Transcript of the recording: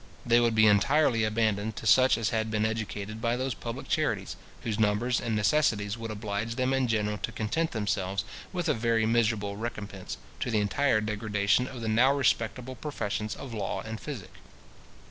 They would be entirely abandoned to such as had been educated by those public charities, whose numbers and necessities would oblige them in general to content themselves with a very miserable recompence, to the entire degradation of the now respectable professions of law and physic.